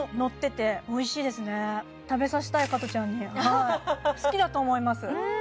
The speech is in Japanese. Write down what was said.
食べさせたい加トちゃんに好きだと思います